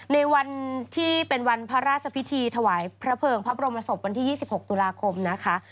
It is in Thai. ในวันที่เป็นวันพระราชพิธีถวายพระเภิงพระบรมศพวันที่๒๖ตุลาคมนะคะ